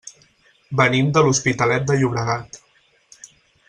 Venim de l'Hospitalet de Llobregat.